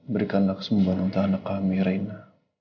berikanlah kesembuhan untuk anak kami reina